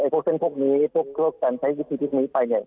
พวกเส้นพวกนี้พวกการใช้วุฒินี้ไปเนี่ย